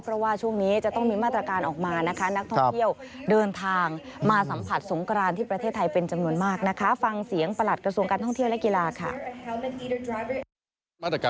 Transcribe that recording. เพราะว่าช่วงนี้จะต้องมีมาตรการออกมานะคะ